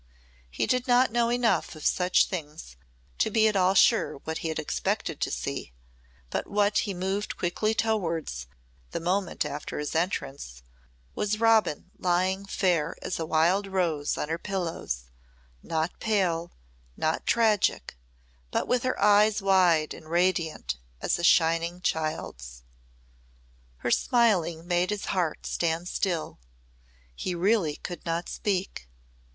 He did not know enough of such things to be at all sure what he had expected to see but what he moved quickly towards, the moment after his entrance, was Robin lying fair as a wild rose on her pillows not pale, not tragic, but with her eyes wide and radiant as a shining child's. Her smiling made his heart stand still. He really could not speak.